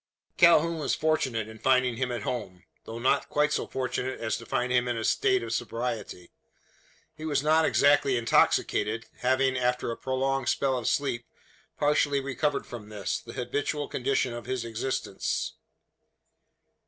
Calhoun was fortunate in finding him at home; though not quite so fortunate as to find him in a state of sobriety. He was not exactly intoxicated having, after a prolonged spell of sleep, partially recovered from this, the habitual condition of his existence.